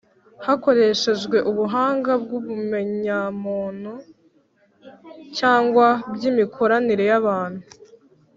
hakoreshejwe ubuhanga bw’ubumenyamuntu cyangwa bw’imikoranire y’abantu.